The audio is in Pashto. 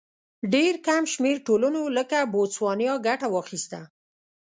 ډېر کم شمېر ټولنو لکه بوتسوانیا ګټه واخیسته.